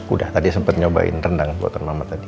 udah tadi sempet nyobain rendang buat mama tadi